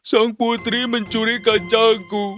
sang putri mencuri kacangku